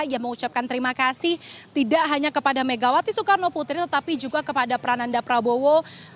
ia mengucapkan terima kasih tidak hanya kepada megawati soekarno putri tetapi juga kepada prananda prabowo